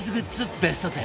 ベスト１０